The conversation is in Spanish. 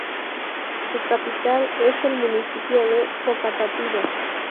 Su capital es el municipio de Facatativá.